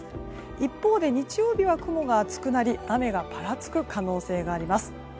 一方で日曜日は雲が厚くなり雨がぱらつく可能性があります。